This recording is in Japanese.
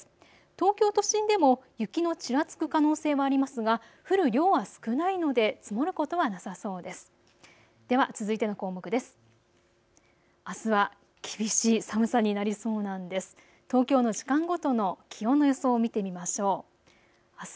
東京都心でも雪のちらつく可能性もありますが降る量は少ないので積もることはなさそうです。